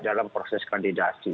dalam proses kandidasi